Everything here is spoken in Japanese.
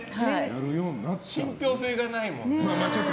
信ぴょう性がないもんね。